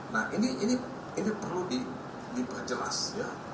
nah ini perlu diperjelas ya